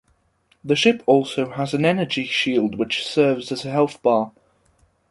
The ship also has an energy shield which serves as a health bar.